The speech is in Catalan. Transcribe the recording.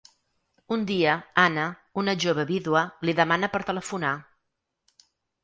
Un dia, Anna, una jove vídua, li demana per telefonar.